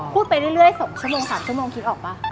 พูดไปเรื่อย๒ชั่วโมง๓ชั่วโมงคิดออกป่ะ